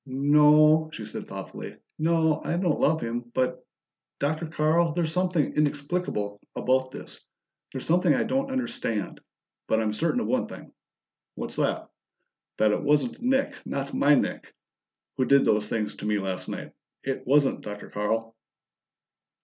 "No," she said thoughtfully. "No, I don't love him, but Dr. Carl, there's something inexplicable about this. There's something I don't understand, but I'm certain of one thing!" "What's that?" "That it wasn't Nick not my Nick who did those things to me last night. It wasn't, Dr. Carl!"